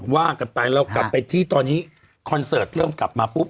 ว่ากันไปเรากลับไปที่ตอนนี้คอนเสิร์ตเริ่มกลับมาปุ๊บ